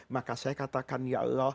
maka saya katakan ya allah